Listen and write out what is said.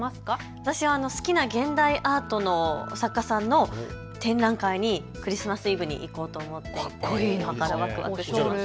私は好きな現代アートの作家さんの展覧会にクリスマスイブに行こうと思っています。